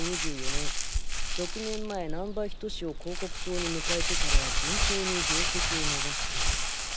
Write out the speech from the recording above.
２４年６年前難波仁志を広告塔に迎えてからは順調に業績を伸ばしている。